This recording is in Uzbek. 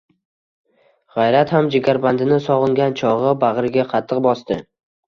G`ayrat ham jigarbandini sog`ingan chog`i, bag`riga qattiq bosdi